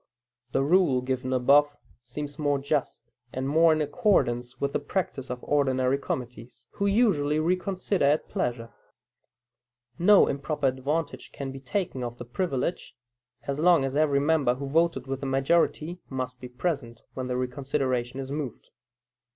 The rule given above seems more just, and more in accordance with the practice of ordinary committees, who usually reconsider at pleasure. No improper advantage can be taken of the privilege, as long as every member who voted with the majority must be present when the reconsideration is moved.